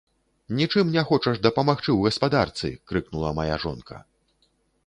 Нічым не хочаш дапамагчы ў гаспадарцы!— крыкнула мая жонка.